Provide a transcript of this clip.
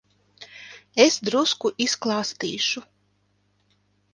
Es drusku izklāstīšu.